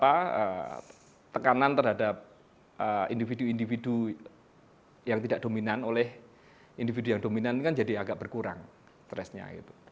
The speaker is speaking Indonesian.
pressure tekanan terhadap individu individu yang tidak dominan oleh individu yang dominan kan jadi agak berkurang stressnya